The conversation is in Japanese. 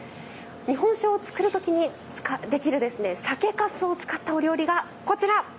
日本酒を造る時にできる酒かすを使ったお料理がこちら。